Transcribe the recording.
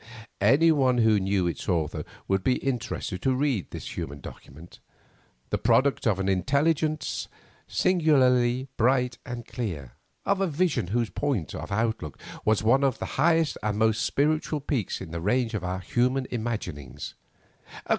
Anyone who knew its author would be interested to read this human document, the product of an intelligence singularly bright and clear; of a vision whose point of outlook was one of the highest and most spiritual peaks in the range of our human imaginings.